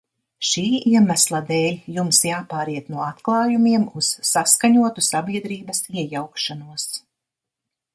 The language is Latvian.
Šī iemesla dēļ jums jāpāriet no atklājumiem uz saskaņotu sabiedrības iejaukšanos.